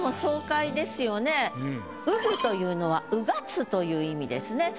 「穿ぐ」というのは穿つという意味ですね。